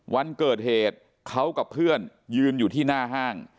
วันเกิดเหตุเขากับเพื่อนยืนอยู่ที่หน้าห้าง